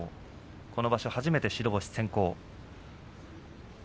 今場所、初めて白星先行。